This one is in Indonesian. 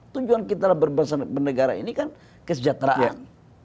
tujuan kita dalam berbangsa dalam bernegara ini kan kesejahteraan